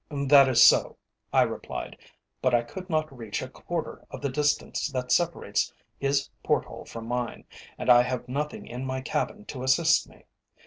"That is so," I replied, "but I could not reach a quarter of the distance that separates his port hole from mine, and I have nothing in my cabin to assist me.